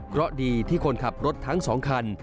เพราะดีที่คนขับรถทั้ง๒คัน